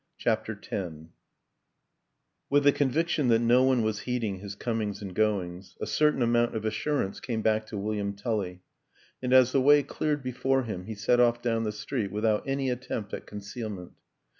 CHAPTER X WITH the conviction that no one was heeding his comings and goings, a cer tain amount of assurance came back to William Tully, and as the way cleared before him he set off down the street without any attempt at concealment.